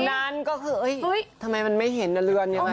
นั่นก็คือทำไมมันไม่เห็นเรือนยังไง